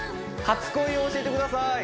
初恋を教えてください